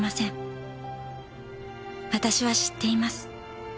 「私は知っています」